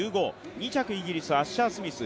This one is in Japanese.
２着イギリスアッシャー・スミス